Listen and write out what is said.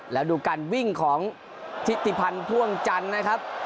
แล้วดูการวิ่งของทิติพันธ์พ่วงจันทร์นะครับ